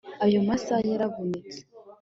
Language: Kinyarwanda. ayo masaha yaravunitse